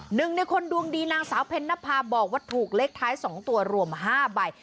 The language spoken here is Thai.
หนึ่งในคนดวงดีนางสาวเพ็ญนภาบอกว่าถูกเลขท้าย๒ตัวรวม๕ใบ